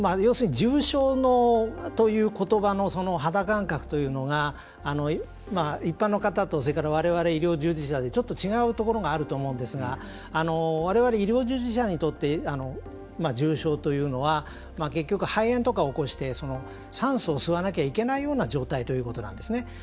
要するに重症ということばの肌感覚というのが一般の方とわれわれ医療従事者でちょっと違うところがあると思うんですがわれわれ医療従事者にとって重症というのは、結局肺炎とかを起こして酸素を吸わなきゃいけないような状態ということなんですね。